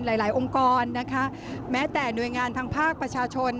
หลายหลายองค์กรนะคะแม้แต่หน่วยงานทางภาคประชาชน